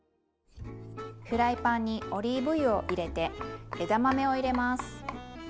フライパンにオリーブ油を入れて枝豆を入れます。